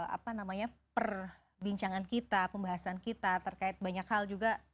apa namanya perbincangan kita pembahasan kita terkait banyak hal juga